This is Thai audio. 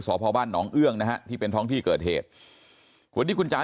พ่อบ้านหนองเอื้องนะฮะที่เป็นท้องที่เกิดเหตุวันนี้คุณจ๋า